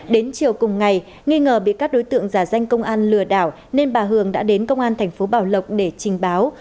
đến chiều cùng ngày nghi ngờ bị các đối tượng giả danh công an lừa đảo nên bà hường đã đến công an thành phố bảo lộc để trình báo